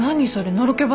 のろけ話。